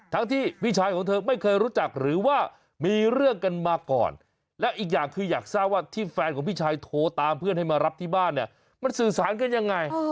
ทั้งที่พี่ชายของเธอไม่เคยรู้จักหรือว่ามีเรื่องกันมาก่อนและอีกอย่างคืออยากทราบว่าที่แฟนของพี่ชายโทรตามเพื่อนให้มารับที่บ้านเนี่ยมันสื่อสารกันยังไง